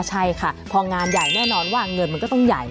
ใช่ค่ะพองานใหญ่แน่นอนว่าเงินมันก็ต้องใหญ่